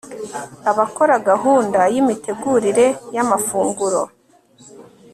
Abakora gahunda yimitegurire yamafunguro